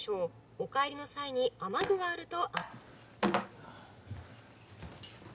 お帰りの際に雨具があると。